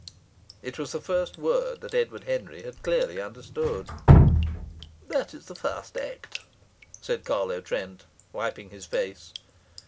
It was the first word that Edward Henry had clearly understood. "That's the first act," said Carlo Trent, wiping his face.